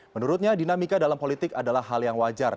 menurutnya dinamika dalam politik adalah hal yang wajar